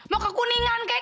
mau kekuningan kek